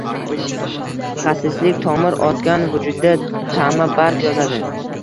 Xasislik tomir otgan vujudda tama barg yozadi.